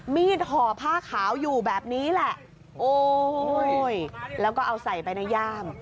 ห่อผ้าขาวอยู่แบบนี้แหละโอ้ยแล้วก็เอาใส่ไปในย่าม